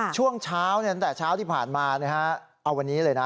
ช่วงเช้าตั้งแต่เช้าที่ผ่านมาเอาวันนี้เลยนะ